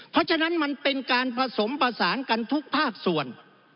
เพราะฉะนั้นมันเป็นการผสมประสานกันทุกภาคส่วน